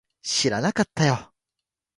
知らなかったよ